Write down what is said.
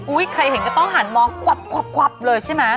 ใครเห็นก็ต้องหันมองควับเลยใช่ไหม